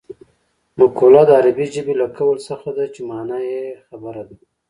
مقوله د عربي ژبې له قول څخه ده چې مانا یې خبره ده